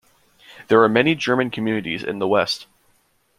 There are many German communities in the west.